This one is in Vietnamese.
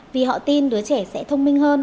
vì họ tin đứa trẻ sẽ thông minh hơn